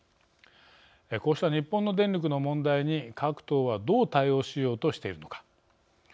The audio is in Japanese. こうした日本の電力の問題に各党はどう対応しようとしているのか。